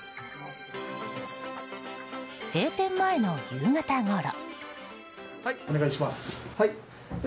閉店前の夕方ごろ。